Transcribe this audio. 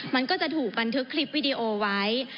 มันก็จะถูกบันทึกคลิปวิดีโอไว้